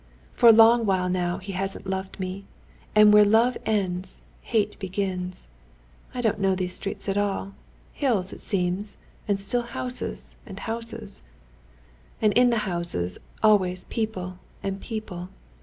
For a long while now he hasn't loved me. And where love ends, hate begins. I don't know these streets at all. Hills it seems, and still houses, and houses.... And in the houses always people and people....